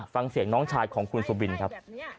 ฟังเสียงน้องชายของคุณสุบินครับ